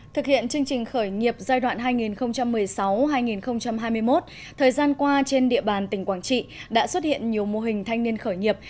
thực hiện chương trình khởi nghiệp giai đoạn hai nghìn một mươi sáu hai nghìn hai mươi một thời gian qua trên địa bàn tỉnh quảng trị đã xuất hiện nhiều mô hình thanh niên khởi nghiệp